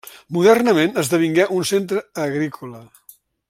Modernament esdevingué un centre agrícola.